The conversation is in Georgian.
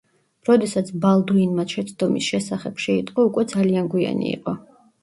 როდესაც ბალდუინმა შეცდომის შესახებ შეიტყო უკვე ძალიან გვიანი იყო.